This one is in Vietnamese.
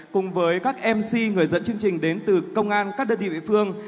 cùng với các mc người dẫn chương trình đến từ công an các đơn vị địa phương